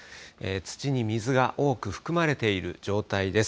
土に水が多く含まれている状態です。